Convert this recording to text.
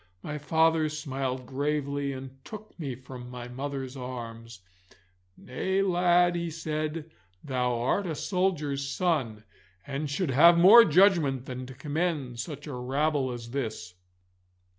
My father smiled gravely, and took me from my mother's arms. 'Nay, lad,' he said, 'thou art a soldier's son, and should have more judgment than to commend such a rabble as this.